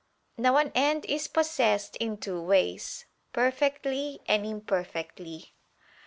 Now an end is possessed in two ways; perfectly and imperfectly.